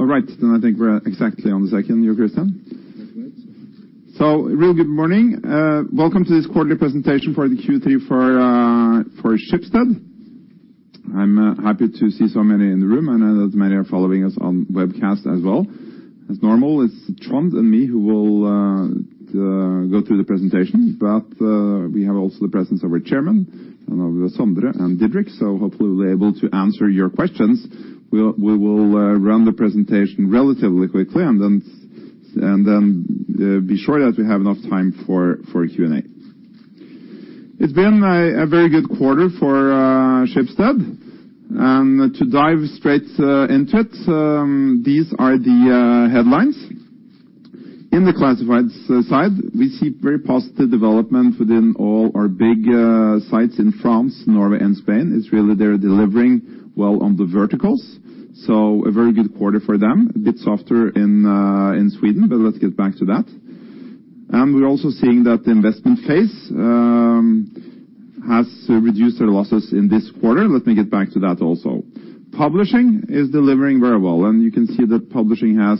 All right, I think we're exactly on the second here, [Christian]. Good morning. Welcome to this quarterly presentation for the Q3 for Schibsted. I'm happy to see so many in the room, and I know that many are following us on webcast as well. As normal, it's Trond and me who will go through the presentation, but we have also the presence of our chairman and of Sondre and Didrik, so hopefully they're able to answer your questions. We will run the presentation relatively quickly, and then be sure that we have enough time for Q&A. It's been a very good quarter for Schibsted, to dive straight into it, these are the headlines. In the classifieds side, we see very positive development within all our big sites in France, Norway, and Spain. It's really they're delivering well on the verticals, a very good quarter for them. A bit softer in Sweden, let's get back to that. We're also seeing that the investment phase has reduced their losses in this quarter. Let me get back to that also. Publishing is delivering very well, you can see that publishing has,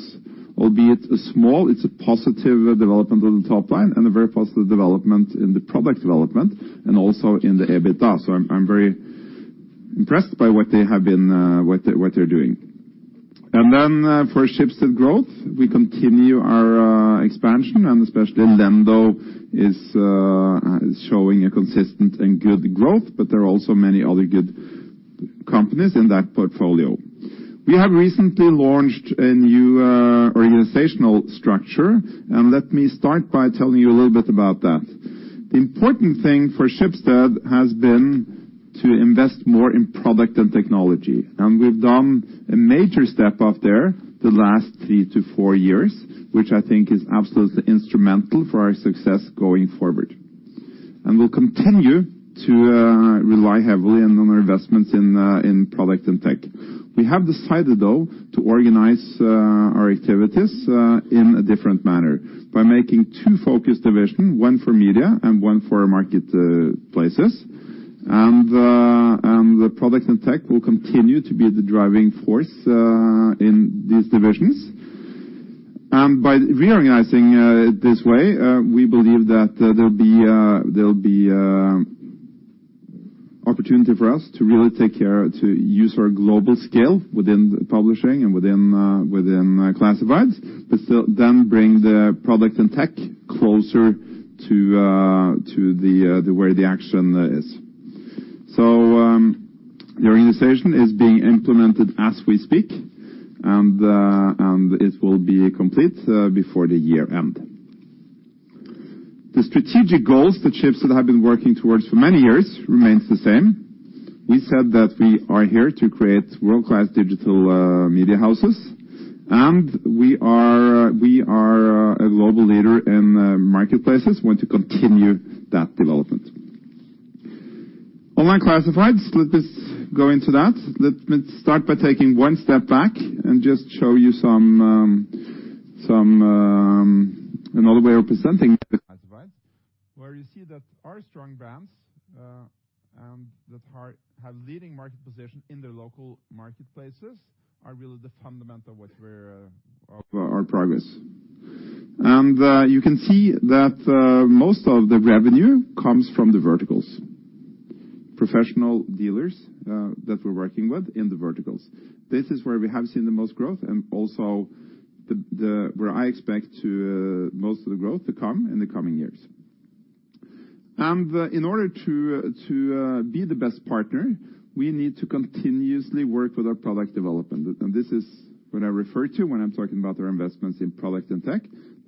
albeit small, it's a positive development on the top line and a very positive development in the product development and also in the EBITDA. I'm very impressed by what they have been, what they're doing. For Schibsted Growth, we continue our expansion, and especially Lendo is showing a consistent and good growth, there are also many other good companies in that portfolio. We have recently launched a new organizational structure, and let me start by telling you a little bit about that. The important thing for Schibsted has been to invest more in product and technology, and we've done a major step up there the last three to four years, which I think is absolutely instrumental for our success going forward. We'll continue to rely heavily and on our investments in product and tech. We have decided, though, to organize our activities in a different manner by making two focus division, one for media and one for marketplaces, and the product and tech will continue to be the driving force in these divisions. By reorganizing it this way, we believe that there'll be opportunity for us to really take care to use our global scale within publishing and within classifieds, but still then bring the product and tech closer to the where the action is. The reorganization is being implemented as we speak, and it will be complete before the year end. The strategic goals that Schibsted have been working towards for many years remains the same. We said that we are here to create world-class digital media houses, and we are a global leader in marketplaces. Want to continue that development. Online classifieds, let us go into that. Let me start by taking one step back and just show you some... Another way of presenting classifieds, where you see that our strong brands, and that are, have leading market position in their local marketplaces are really the fundamental what we're, our progress. You can see that most of the revenue comes from the verticals. Professional dealers, that we're working with in the verticals. This is where we have seen the most growth and also the where I expect to most of the growth to come in the coming years. In order to be the best partner, we need to continuously work with our product development. This is what I refer to when I'm talking about our investments in product and tech.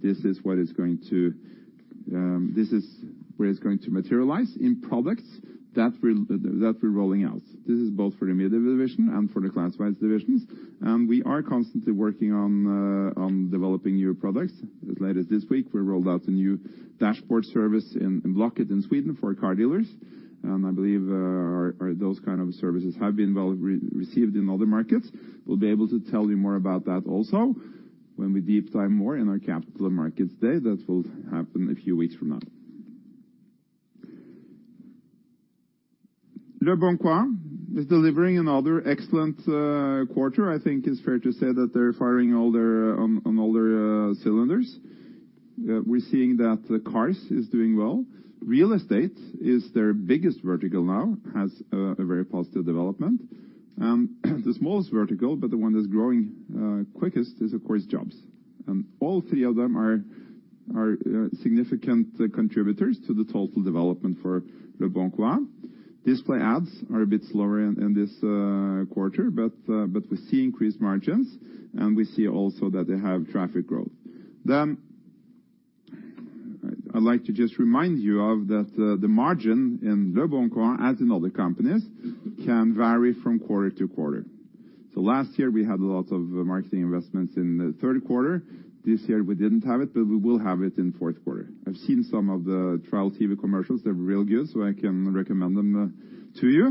This is where it's going to materialize in products that we're rolling out. This is both for the media division and for the classifieds divisions. We are constantly working on developing new products. As late as this week, we rolled out a new dashboard service in Blocket in Sweden for car dealers. I believe, our, those services have been well re, received in other markets. We'll be able to tell you more about that also when we deep dive more in our Capital Markets Day. That will happen a few weeks from now. Leboncoin is delivering another excellent quarter. I think it's fair to say that they're firing all their, on all their cylinders. We're seeing that the cars is doing well. Real estate is their biggest vertical now. Has a very positive development. The smallest vertical, but the one that's growing quickest is of course jobs. All three of them are significant contributors to the total development for Leboncoin. Display ads are a bit slower in this quarter, but we see increased margins, and we see also that they have traffic growth. I'd like to just remind you of, that, the margin in Leboncoin, as in other companies, can vary from quarter to quarter. Last year, we had a lot of marketing investments in the Q3. This year we didn't have it, but we will have it in Q4. I've seen some of the trial TV commercials. They're real good, so I can recommend them to you.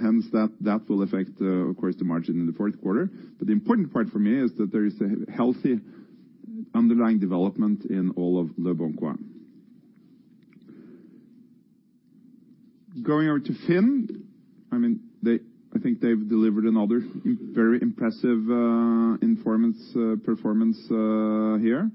Hence that will affect, of course the margin in the Q4. The important part for me is that there is a healthy underlying development in all of Leboncoin. Going over to FINN. I mean, I think they've delivered another very impressive performance here.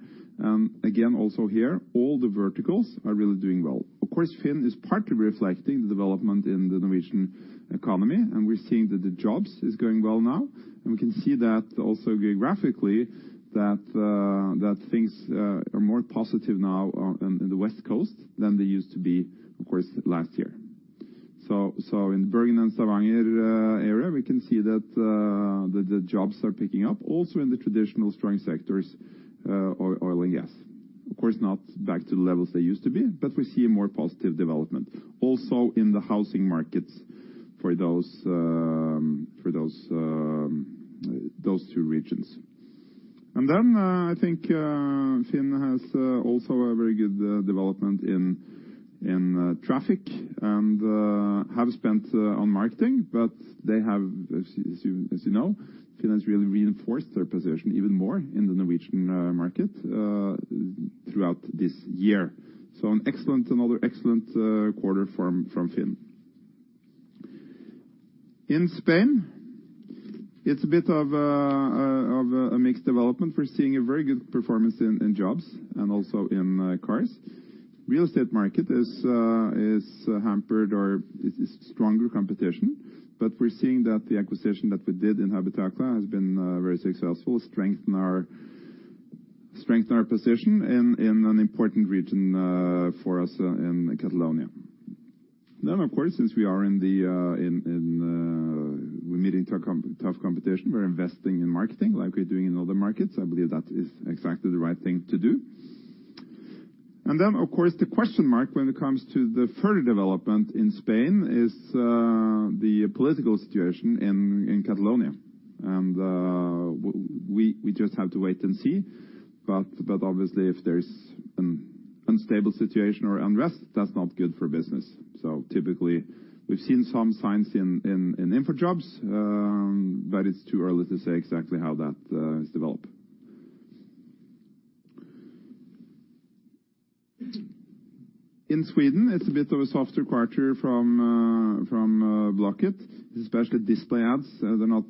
Again, also here, all the verticals are really doing well. Of course, FINN is partly reflecting the development in the Norwegian economy, and we're seeing that the jobs is going well now. We can see that also geographically that things are more positive now on, in the West Coast than they used to be, of course, last year. So in the Bergen and Stavanger area, we can see that the jobs are picking up also in the traditional strong sectors, oil and gas. Of course not back to the levels they used to be, we see a more positive development, also in the housing markets for those two regions. I think FINN has also a very good development in traffic and have spent on marketing, but they have, as you know, FINN has really reinforced their position even more in the Norwegian market throughout this year. An excellent, another excellent quarter from FINN. In Spain, it's a bit of a mixed development. We're seeing a very good performance in jobs and also in cars. Real estate market is hampered or is stronger competition. We're seeing that the acquisition that we did in Habitaclia has been very successful, strengthen our position in an important region for us in Catalonia. Then of course, since we are meeting tough competition, we're investing in marketing like we're doing in other markets. I believe that is exactly the right thing to do. Of course, the question mark when it comes to the further development in Spain is the political situation in Catalonia. We just have to wait and see. Obviously, if there's an unstable situation or unrest, that's not good for business. Typically, we've seen some signs in InfoJobs, but it's too early to say exactly how that is developed. In Sweden, it's a bit of a softer quarter from Blocket, especially display ads. They're not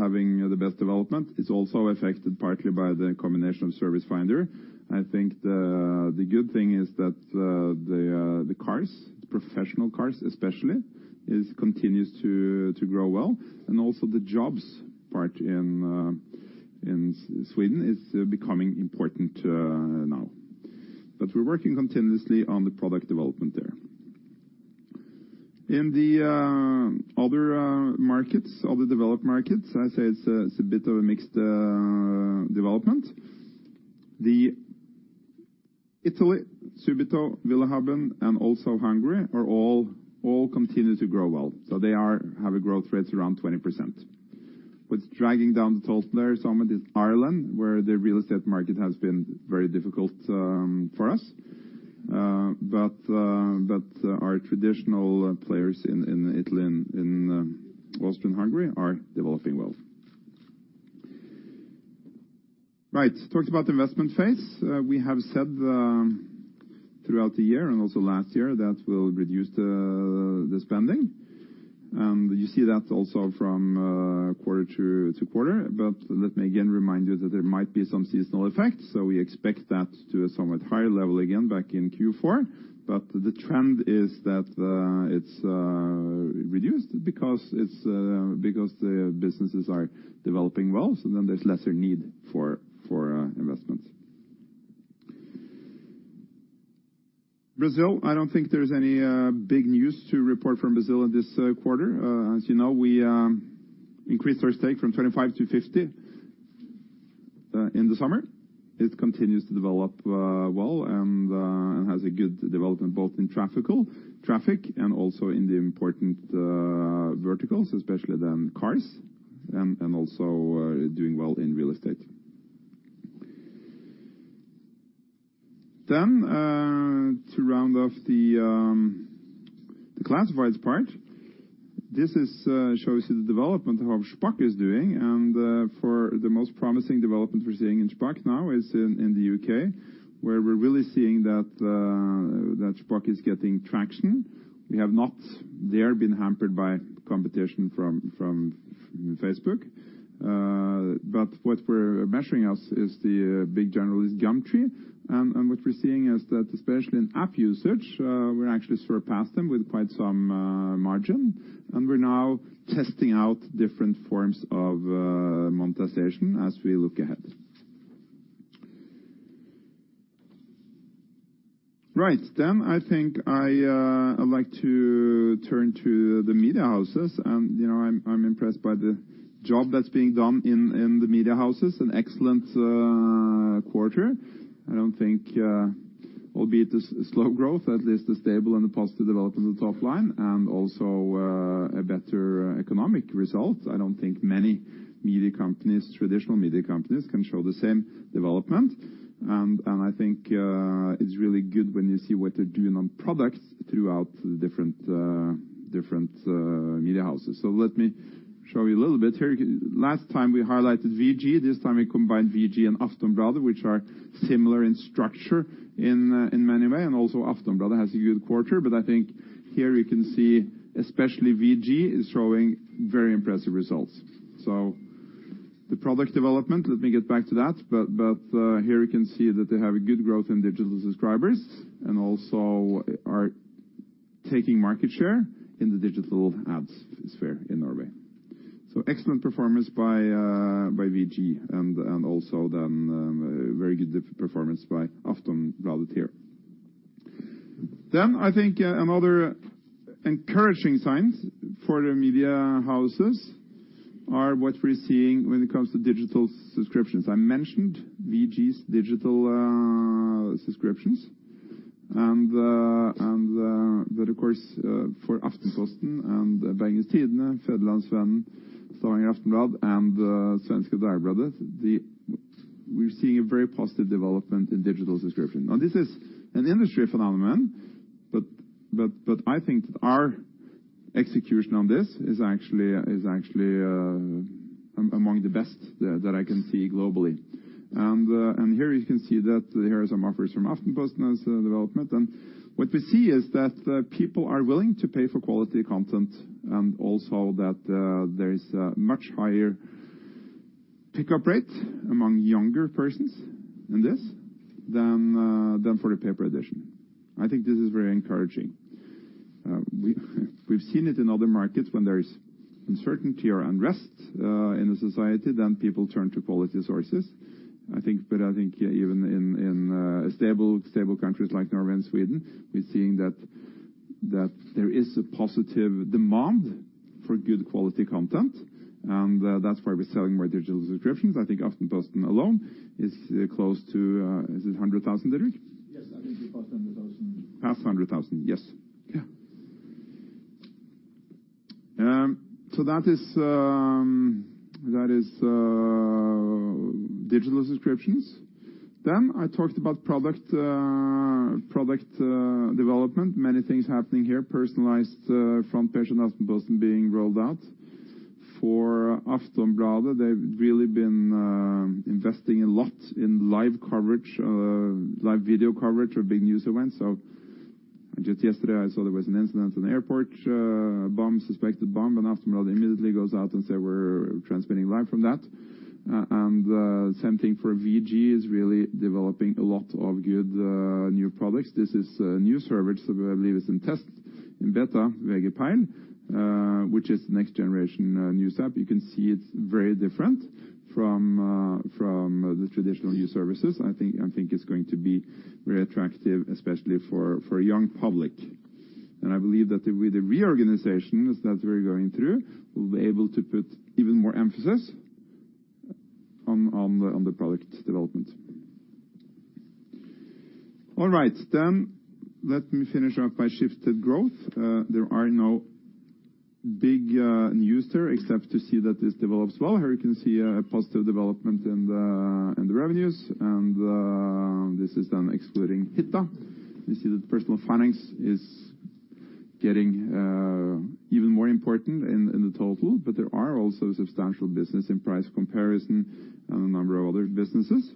having the best development. It's also affected partly by the combination of Servicefinder. I think the good thing is that the cars, professional cars especially, continues to grow well. Also the jobs part in Sweden is becoming important now. We're working continuously on the product development there. In the other markets, other developed markets, I say it's a bit of a mixed development. The Italy, Subito, Willhaben, and also Hungary continue to grow well. They are have a growth rates around 20%. What's dragging down the total there somewhat is Ireland, where the real estate market has been very difficult for us. Our traditional players in Italy and in Austria and Hungary are developing well. Right. Talked about the investment phase. We have said throughout the year and also last year that we'll reduce the spending. You see that also from quarter to quarter. Let me again remind you that there might be some seasonal effects. We expect that to a somewhat higher level again back in Q4. The trend is that it's reduced because the businesses are developing well, there's lesser need for investments. Brazil, I don't think there's any big news to report from Brazil in this quarter. As you know, we increased our stake from 25% to 50% in the summer. It continues to develop well and has a good development both in traffic and also in the important verticals, especially then cars, and also doing well in real estate. To round off the classifieds part, this shows you the development of how Shpock is doing. For the most promising development we're seeing in Shpock now is in the U.K., where we're really seeing that Shpock is getting traction. We have not there been hampered by competition from Facebook. What we're measuring as the big general is Gumtree. What we're seeing is that especially in app usage, we're actually sort of past them with quite some margin. We're now testing out different forms of monetization as we look ahead. Right. I think I'd like to turn to the media houses. You know, I'm impressed by the job that's being done in the media houses. An excellent quarter. I don't think, albeit a slow growth, at least a stable and a positive development of the top line and also a better economic result. I don't think many media companies, traditional media companies, can show the same development. I think it's really good when you see what they're doing on products, throughout the different media houses. Let me show you a little bit here. Last time we highlighted VG. This time we combined VG and Aftenbladet, which are similar in structure in many way, and also Aftenbladet has a good quarter. I think here you can see especially VG is showing very impressive results. The product development, let me get back to that. Here you can see that they have a good growth in digital subscribers, and also are taking market share in the digital ads sphere in Norway. Excellent performance by VG and also then very good performance by Aftenbladet here. I think another encouraging signs for the media houses are what we're seeing when it comes to digital subscriptions. I mentioned VG's digital subscriptions and that of course for Aftenposten and Bergens Tidende, Fædrelandsvennen, Stavanger Aftenblad, and Svenska Dagbladet, we're seeing a very positive development in digital subscription. Now, this is an industry phenomenon, but I think our execution on this is actually among the best that I can see globally. Here you can see that here are some offers from Aftenposten as development. What we see is that people are willing to pay for quality content, and also that there is a much higher pick-up rate among younger persons in this than for the paper edition. I think this is very encouraging. We've seen it in other markets when there is uncertainty or unrest in the society, then people turn to quality sources, I think. I think even in stable countries like Norway and Sweden, we're seeing that there is a positive demand for good quality content, and that's why we're selling more digital subscriptions. I think Aftenposten alone is close to, is it 100,000, Didrik? Yes, I think it's past 100,000. Past 100,000, yes. That is digital subscriptions. I talked about product development. Many things happening here. Personalized front page of Aftenposten being rolled out. For Aftenbladet, they've really been investing a lot in live coverage, live video coverage of big news events. Just yesterday I saw there was an incident in the airport, bomb, suspected bomb, and Aftenbladet immediately goes out and say, "We're transmitting live from that." Same thing for VG is really developing a lot of good new products. This is a new service. I believe it's in test, in [Delta, VG pine], which is next generation news app. You can see it's very different from the traditional news services. I think it's going to be very attractive, especially for young public. I believe that with the reorganization that we're going through, we'll be able to put even more emphasis on the product development. All right. Let me finish up by Schibsted Growth. There are no big news there except to see that this develops well. Here you can see a positive development in the revenues. This is done excluding Hitta.se. You see that personal finance is getting even more important in the total, but there are also substantial business in price comparison and a number of other businesses.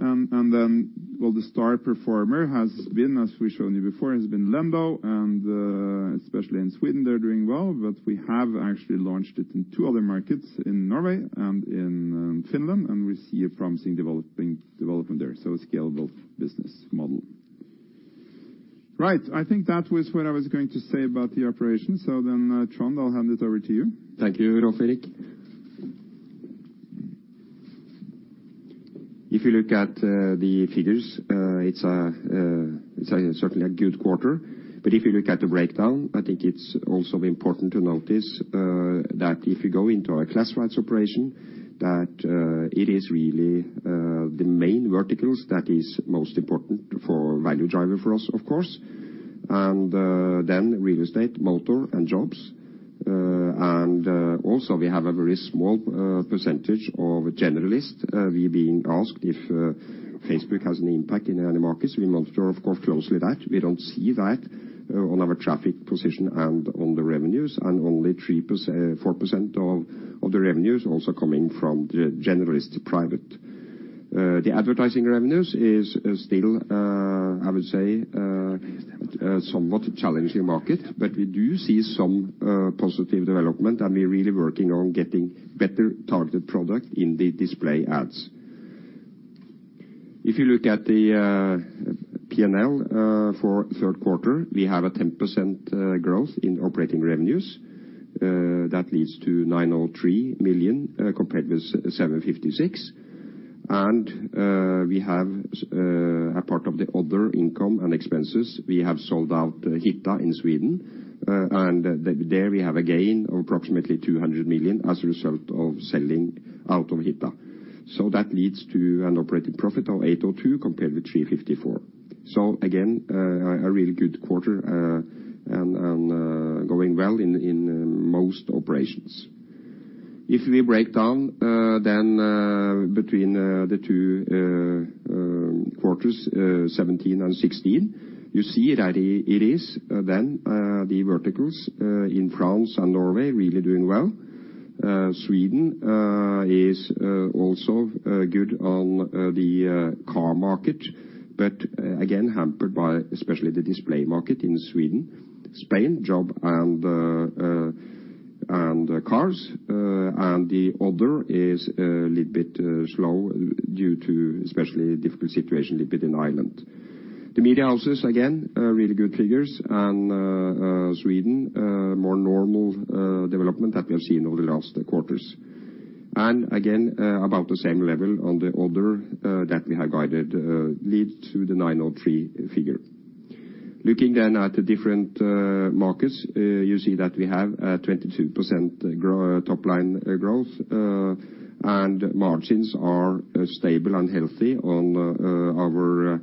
Well, the star performer has been, as we've shown you before, has been Lendo, and especially in Sweden, they're doing well, but we have actually launched it in two other markets, in Norway and in Finland, and we see a promising development there. Scalable business model. Right. I think that was what I was going to say about the operation. Trond, I'll hand it over to you. Thank you, Rolv Erik. If you look at the figures, it's certainly a good quarter. If you look at the breakdown, I think it's also important to notice that if you go into a classifieds operation, that it is really the main verticals that is most important for value driver for us, of course. Then real estate, motor, and jobs. Also we have a very small percentage of generalist. We're being asked if Facebook has an impact in any markets. We monitor, of course, closely that. We don't see that on our traffic position and on the revenues, and only 3%, 4% of the revenues also coming from the generalist private. The advertising revenues is still, I would say, somewhat a challenging market, but we do see some positive development, and we're really working on getting better targeted product in the display ads. If you look at the P&L for Q3, we have a 10% growth in operating revenues. That leads to 903 million compared with 756. We have a part of the other income and expenses. We have sold out Hitta.se in Sweden, and there we have a gain of approximately 200 million as a result of selling out of Hitta.se. That leads to an operating profit of 802 compared with 354. Again, a really good quarter, and going well in, most operations. If we break down, then, between, the two, quarters, 2017 and 2016, you see that it is then, the verticals, in France and Norway really doing well. Sweden, is, also, good on, the, car market but, again, hampered by especially the display market in Sweden. Spain, job and cars, and the other is a little bit, slow due to especially difficult situation a little bit in Ireland. The media houses, again, really good figures. Sweden, more normal, development that we have seen over the last quarters. Again, about the same level on the other that we have guided leads to the 903 figure. Looking at the different markets, you see that we have 22% top line growth, and margins are stable and healthy on our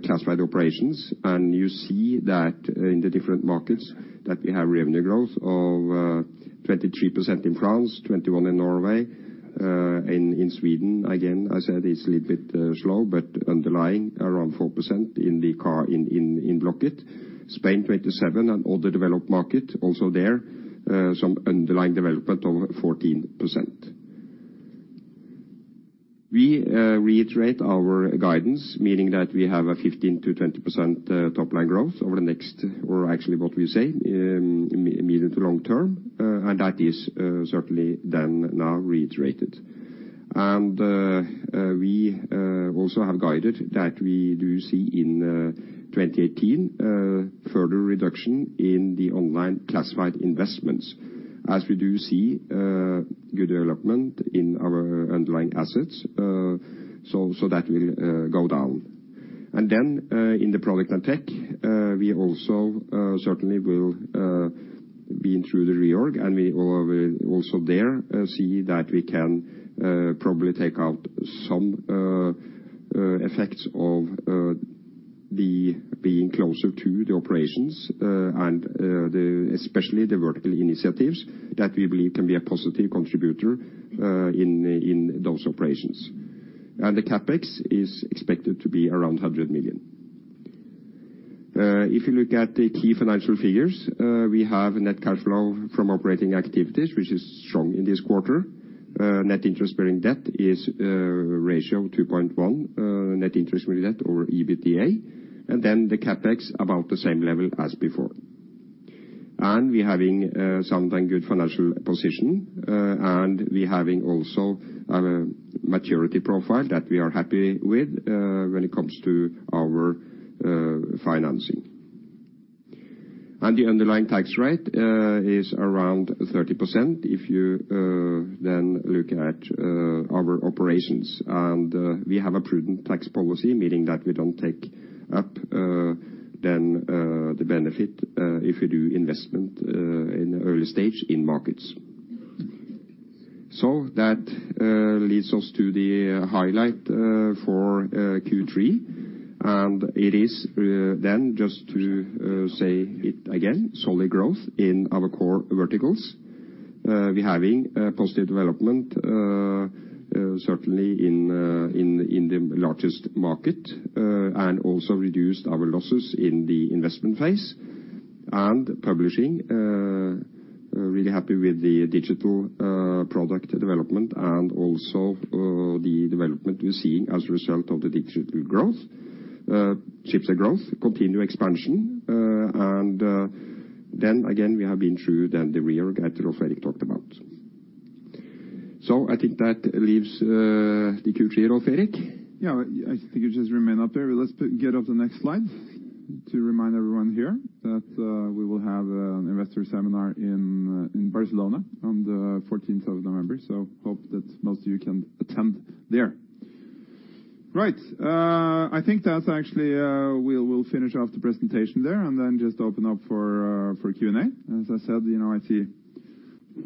classified operations. You see that in the different markets that we have revenue growth of 23% in France, 21% in Norway. In Sweden, again, I said it's a little bit slow but underlying around 4% in the car, in Blocket. Spain, 27%. Other developed market also there, some underlying development of 14%. We reiterate our guidance, meaning that we have a 15%-20% top line growth over the next or actually what we say immediate to long term. That is certainly then now reiterated. We also have guided that we do see in 2018 further reduction in the online classified investments as we do see good development in our underlying assets. So that will go down. Then in the product and tech, we also certainly will be in through the reorg, and we will also there see that we can probably take out some effects of the being closer to the operations, and the especially the vertical initiatives that we believe can be a positive contributor in those operations. The CapEx is expected to be around 100 million. If you look at the key financial figures, we have net cash flow from operating activities which is strong in this quarter. Net interest-bearing debt is ratio 2.1 net interest with debt or EBITDA and then the CapEx about the same level as before. We're having something good financial position, and we're having also a maturity profile that we are happy with when it comes to our financing. The underlying tax rate is around 30% if you then look at our operations. We have a prudent tax policy, meaning that we don't take up then the benefit if we do investment in early stage in markets. So, that leads us to the highlight for Q3. Just to say it again, solid growth in our core verticals. We're having positive development certainly in in the largest market and also reduced our losses in the investment phase and publishing. Really happy with the digital product development and also the development we're seeing as a result of the digital growth. Schibsted Growth continue expansion and then again, we have been through the reorg that Rolv Erik talked about. So, I think that leaves the Q3, Rolv Erik? Yeah. I think it just remain up there. Let's get up the next slide to remind everyone here that we will have an investor seminar in Barcelona on the 14th of November. Hope that most of you can attend there. Right. I think that's actually we'll finish off the presentation there and then just open up for Q&A. As I said, you know, I see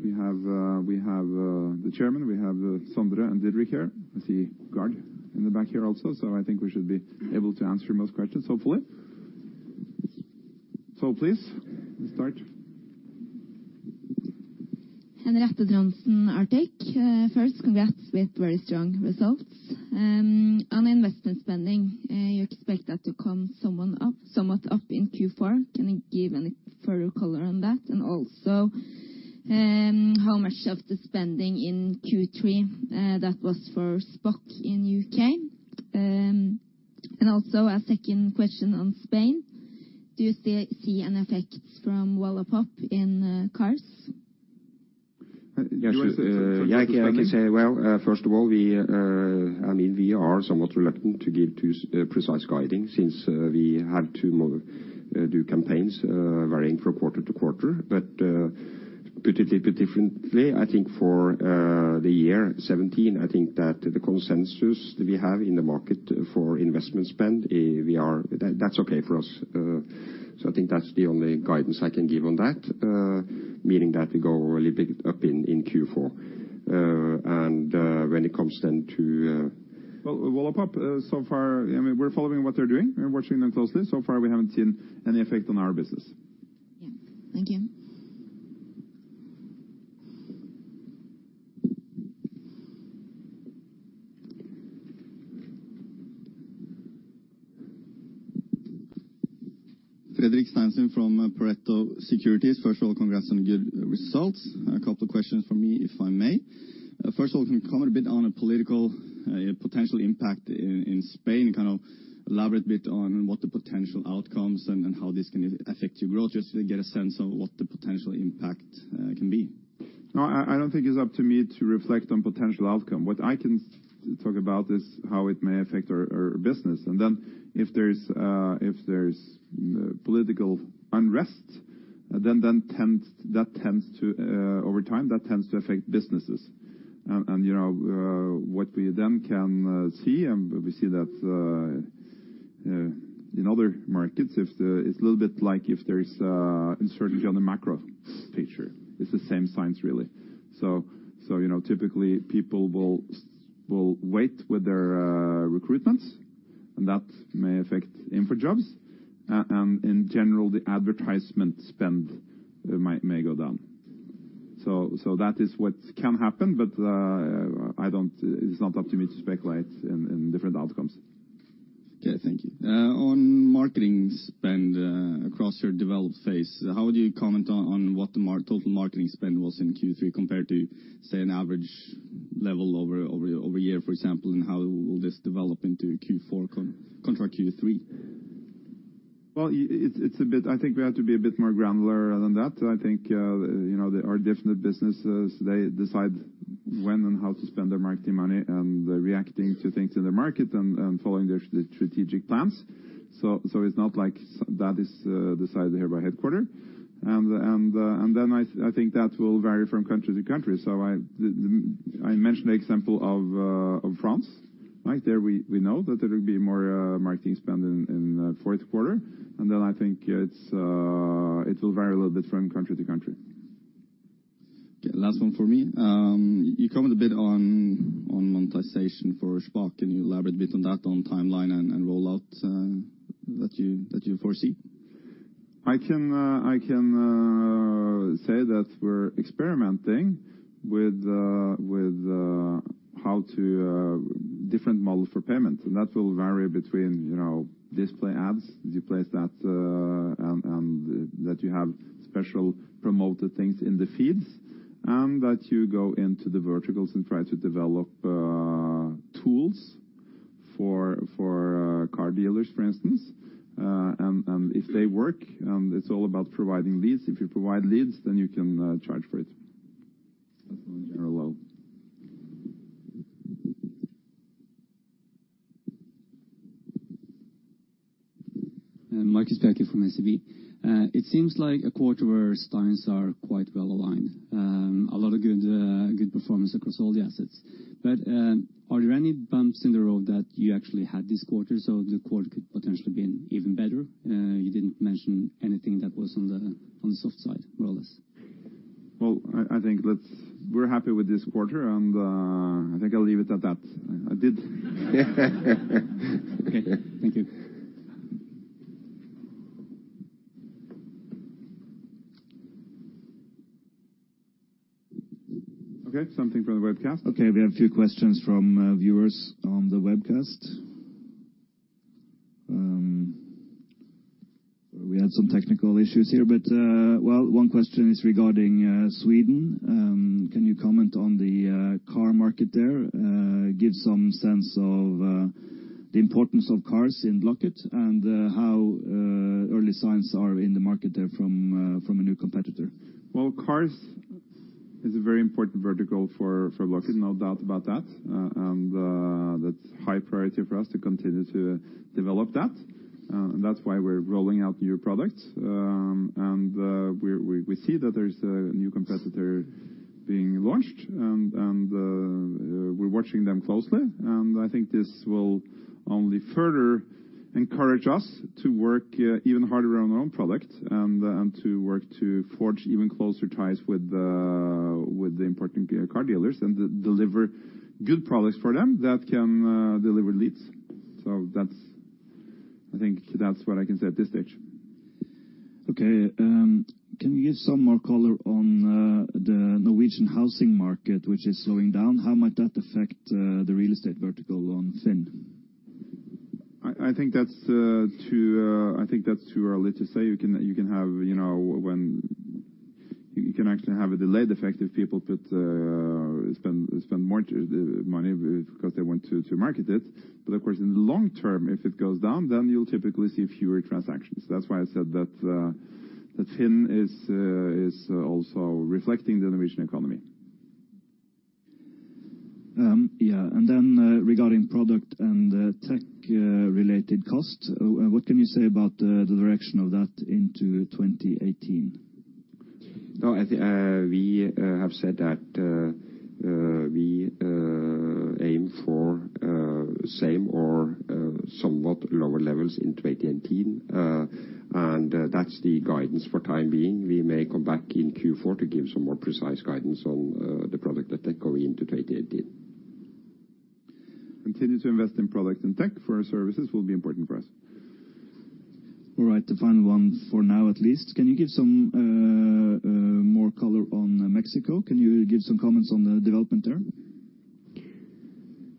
we have the chairman, we have Sondre and Didrik here. I see Gard in the back here also. I think we should be able to answer most questions hopefully. Please, let's start. Henriette Trondsen, Arctic. First, congrats with very strong results. On investment spending, you expect that to come somewhat up in Q4. Can you give any further color on that? Also, how much of the spending in Q3 that was for Shpock in U.K.? Also a second question on Spain. Do you see an effect from Wallapop in cars? Yes. Yeah, I can say. Well, first of all, we, I mean, we are somewhat reluctant to give too precise guiding since we have to model, do campaigns, varying from quarter to quarter. Put it a little bit differently, I think for the year 2017, I think that the consensus we have in the market for investment spend, that's okay for us. So, I think that's the only guidance I can give on that, meaning that we go a little bit up in Q4. Well, Wallapop, so far, I mean, we're following what they're doing. We're watching them closely. So far, we haven't seen any effect on our business. Yeah. Thank you. Fredrik Steinslien from Pareto Securities. First of all, congrats on the good results. A couple of questions from me, if I may. First of all, can you comment a bit on a political, potential impact in Spain, elaborate a bit on what the potential outcomes and how this can affect your growth, just to get a sense of what the potential impact can be? No, I don't think it's up to me to reflect on potential outcome. What I can talk about is how it may affect our business. If there's political unrest, then tends, that tends to over time, that tends to affect businesses. You know, what we then can see, and we see that in other markets, if the. It's a little bit like if there's uncertainty on the macro picture. It's the same science, really. You know, typically people will wait with their recruitments, and that may affect InfoJobs. In general, the advertisement spend might go down. That is what can happen, but I don't. It's not up to me to speculate in different outcomes. Okay, thank you. On marketing spend across your developed phase, how would you comment on what the total marketing spend was in Q3 compared to, say, an average level over a year, for example, and how will this develop into Q4 contra Q3? Well, I think we have to be a bit more granular than that. I think, you know, there are different businesses. They decide when and how to spend their marketing money and they're reacting to things in the market and following their strategic plans. It's not like that is decided here by headquarters. I think that will vary from country to country. I mentioned the example of France, right? There we know that there will be more marketing spend in Q4. I think it's, it will vary a little bit from country to country. Okay, last one from me. You commented a bit on monetization for Sphock. Can you elaborate a bit on that, on timeline and rollout, that you foresee? I can say that we're experimenting with how to different models for payment. That will vary between, you know, display ads, you place that, and that you have special promoted things in the feeds and that you go into the verticals and try to develop tools for car dealers, for instance. If they work, it's all about providing leads. If you provide leads, then you can charge for it. That's one general. Mike Spechi from SEB. It seems like a quarter where signs are quite well aligned. A lot of good, good performance across all the assets. Are there any bumps in the road that you actually had this quarter, so the quarter could potentially been even better? You didn't mention anything that was on the soft side more or less. Well, I think, we're happy with this quarter, and I think I'll leave it at that. I did. Okay. Thank you. Okay. Something from the webcast? Okay. We have a few questions from viewers on the webcast. We had some technical issues here, but well, one question is regarding Sweden. Can you comment on the car market there? Give some sense of the importance of cars in Blocket and how early signs are in the market there from a new competitor? Well, cars is a very important vertical for Blocket, no doubt about that. That's high priority for us to continue to develop that. That's why we're rolling out new products. We see that there's a new competitor being launched and we're watching them closely. I think this will only further encourage us to work even harder on our own product and to work to forge even closer ties with the important car dealers and deliver good products for them that can deliver leads. That's, I think that's what I can say at this stage. Okay. Can you give some more color on the Norwegian housing market, which is slowing down? How might that affect the real estate vertical on FINN? I think that's too early to say. You can have, you know. You can actually have a delayed effect if people put, spend much money because they want to market it. Of course, in the long term, if it goes down, you'll typically see fewer transactions. That's why I said that FINN is also reflecting the Norwegian economy. Yeah. Regarding product and tech related cost, what can you say about the direction of that into 2018? No, I think, we have said that, we aim for, same or, somewhat lower levels in 2018. That's the guidance for time being. We may come back in Q4 to give some more precise guidance on, the product that they're going into 2018. Continue to invest in product and tech for our services will be important for us. All right, the final one for now, at least. Can you give some more color on Mexico? Can you give some comments on the development there?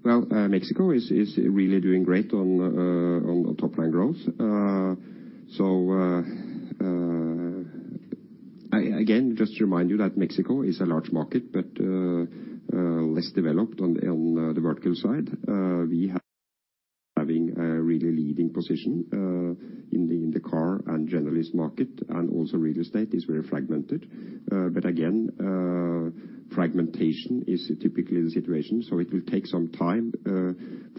Well, Mexico is really doing great on top line growth. Again, just to remind you that Mexico is a large market, but less developed on the vertical side. We have having a really leading position in the car and generalist market, and also real estate is very fragmented. Again, fragmentation is typically the situation, so it will take some time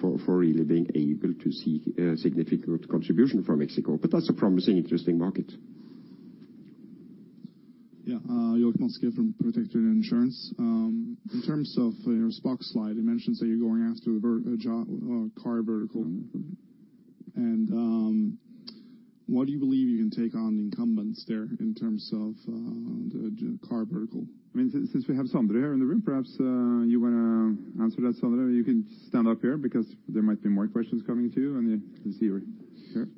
for really being able to see a significant contribution from Mexico but that's a promising, interesting market. York Manske from Protector Insurance. In terms of your Shpock slide, it mentions that you're going after the car vertical. What do you believe you can take on incumbents there in terms of the car vertical? I mean, since we have Sondre here in the room, perhaps you wanna answer that, Sondre? You can stand up here because there might be more questions coming to you, and he's here. Sure.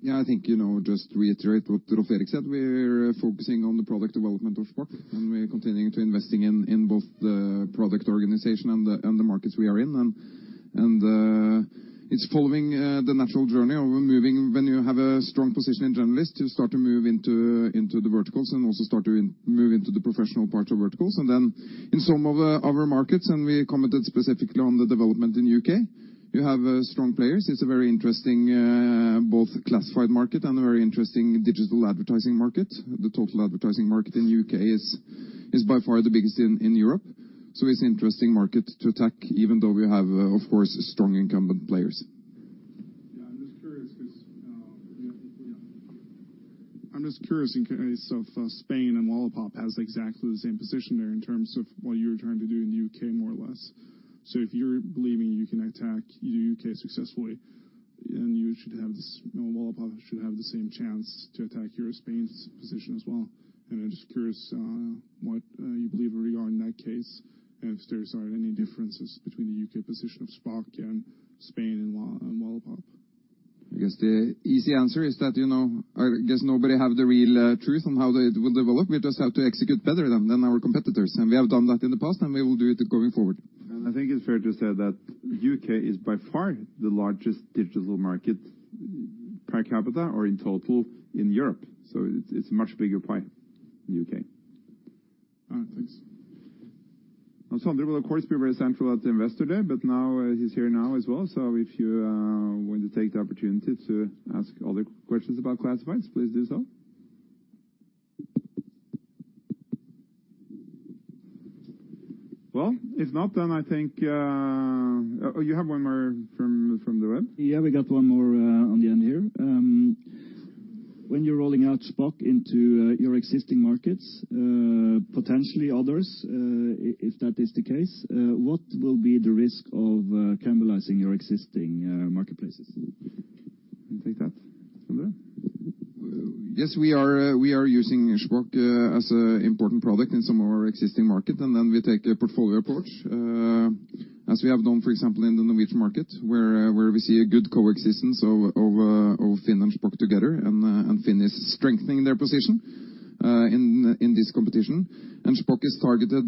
Yeah, I think, you know, just to reiterate what Rolv Erik said, we're focusing on the product development of Shpock, and we're continuing to investing in both the product organization and the markets we are in. It's following the natural journey of moving when you have a strong position in generalist, you start to move into the verticals and also start to move into the professional parts of verticals. Then in some of our markets, and we commented specifically on the development in U.K., you have strong players. It's a very interesting both classified market and a very interesting digital advertising market. The total advertising market in U.K. is by far the biggest in Europe. It's interesting market to attack, even though we have, of course, strong incumbent players. I'm just curious in case of Spain and Wallapop has exactly the same position there in terms of what you're trying to do in the U.K., more or less. If you're believing you can attack U.K. successfully, then you should have this, you know, Wallapop should have the same chance to attack your Spain's position as well. I'm just curious what you believe regarding that case, and if there are any differences between the U.K. position of Shpock and Spain and Wallapop? [I guess] the easy answer is that, you know, I guess nobody have the real truth on how it will develop. We just have to execute better than our competitors. We have done that in the past, and we will do it going forward. I think it's fair to say that U.K. is by far the largest digital market per capita or in total in Europe. It's a much bigger pie in U.K. Thanks. Sondre will of course, be very central at the Investor Day, but now he's here now as well. If you want to take the opportunity to ask other questions about classifieds, please do so. If not, I think. Oh, you have one more from the web? Yeah, we got one more on the end here. When you're rolling out Shpock into your existing markets, potentially others, if that is the case, what will be the risk of cannibalizing your existing marketplaces? You take that, Sondre? Yes, we are using Shpock as an important product in some of our existing market. Then we take a portfolio approach as we have done, for example, in the Norwegian market, where we see a good coexistence of FINN and Shpock together, and FINN is strengthening their position in this competition. Shpock is targeted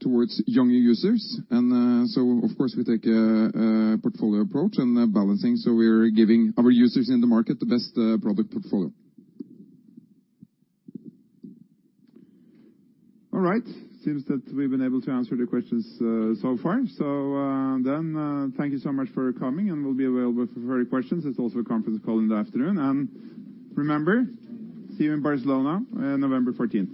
towards younger users. Of course, we take a portfolio approach and balancing. We're giving our users in the market the best product portfolio. All right. Seems that we've been able to answer the questions, so far. Thank you so much for coming, and we'll be available for your questions. There's also a conference call in the afternoon. Remember, see you in Barcelona on November 14th.